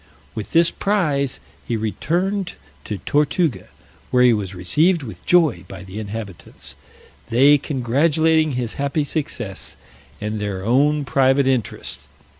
With this prize he returned to Tortuga, where he was received with joy by the inhabitants; they congratulating his happy success, and their own private interest.